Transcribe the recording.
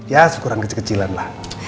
ya sekurang kecil kecilan lah